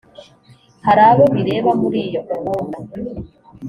hari abo bireba muri iyo gahunda.